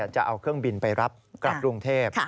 จะเอาเครื่องบินไปรับกลับกรุงเทพ